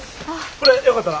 これよかったら。